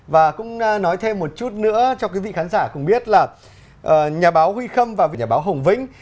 và cũng nói thêm một chút nữa cho quý vị khán giả cùng biết là nhà báo huy khâm và nhà báo hồng vĩnh